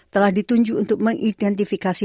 telah ditunjuk untuk mengidentifikasi